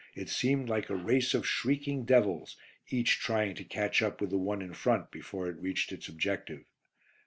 It seemed like a race of shrieking devils, each trying to catch up with the one in front before it reached its objective.